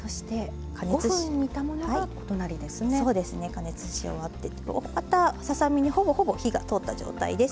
加熱し終わっておおかたささ身にほぼほぼ火が通った状態です。